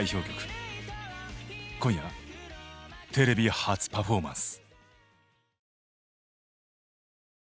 今夜テレビ初パフォーマンス。